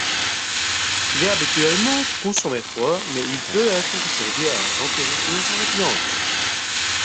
Il est habituellement consommé froid, mais il peut être servi à température ambiante.